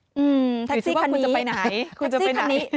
หรือถือว่าคุณจะไปไหน